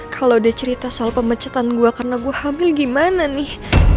kalo dia cerita soal pemecetan gua karena gua hamil gimana nih